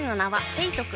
ペイトク